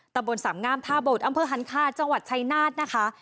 ตำบลสามงามท่าโบดอำเภอหันคาจังหวัดชัยนาธนะคะ